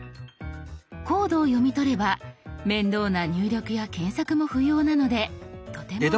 コードを読み取れば面倒な入力や検索も不要なのでとても便利ですよ。